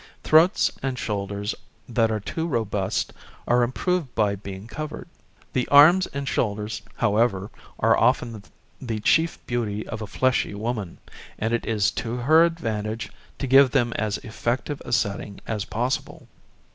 Throats and shoulders that are too robust are improved by being covered. The arms and shoulders, however, are often the chief beauty of a fleshy woman, and it is to her advantage to give them as effective a setting as possible.